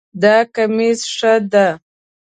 دا کمیس ښه ده